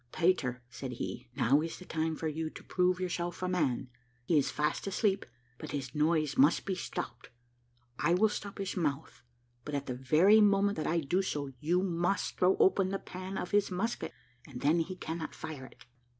"Peter," said he, "now is the time for you to prove yourself a man. He is fast asleep, but his noise must be stopped. I will stop his mouth, but at the very moment that I do so you must throw open the pan of his musket, and then he cannot fire it."